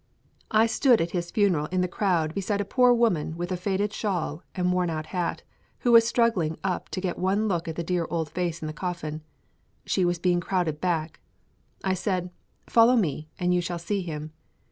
I stood at his funeral in the crowd beside a poor woman with a faded shawl and worn out hat, who was struggling up to get one look at the dear old face in the coffin. She was being crowded back. I said, "Follow me, and you shall see him."